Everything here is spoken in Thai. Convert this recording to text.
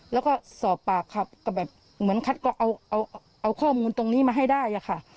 แล้วก็สอบปากคำก็แบบเหมือนคัดกรองเอาข้อมูลตรงนี้มาให้ได้อะค่ะ